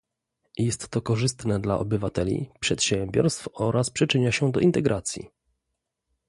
Jest to korzystne dla obywateli, przedsiębiorstw oraz przyczynia się do integracji